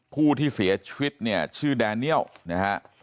ผู้ที่เสียชีวิตเนี่ยชื่อแดเนียลนะฮะ